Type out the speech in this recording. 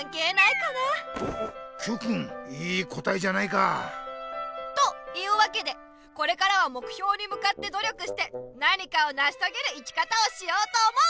Ｑくんいいこたえじゃないか。というわけでこれからはもくひょうにむかってどりょくして何かをなしとげる生き方をしようと思う！